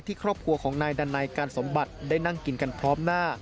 ที่ครบครัวในนัยการสมบัติได้นั่งกินกันพร้อมหน้า